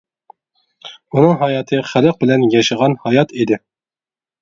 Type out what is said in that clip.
ئۇنىڭ ھاياتى خەلق بىلەن ياشىغان ھايات ئىدى.